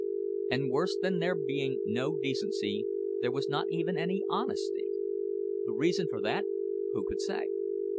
And worse than there being no decency, there was not even any honesty. The reason for that? Who could say?